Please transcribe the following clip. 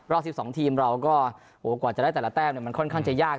๑๒ทีมเราก็กว่าจะได้แต่ละแต้มมันค่อนข้างจะยาก